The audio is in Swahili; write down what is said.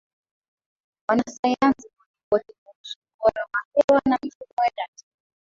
wanasayansi kuripoti kuhusu ubora wa hewa na mifumo ya data